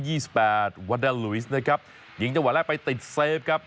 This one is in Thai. ยิงจังหวะแรกไปติดเซฟครับ